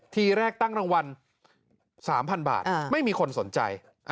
ทีแรกตั้งรางวัล๓๐๐๐บาทไม่มีคนสนใจ